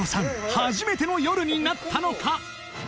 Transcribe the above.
初めての夜になったのか？